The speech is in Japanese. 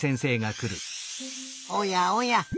おやおや。